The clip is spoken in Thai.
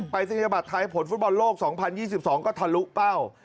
ศนียบัตรไทยผลฟุตบอลโลก๒๐๒๒ก็ทะลุเป้า